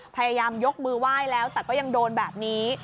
พยายามยกมือไหว้แล้วแต่ก็ยังโดนแบบนี้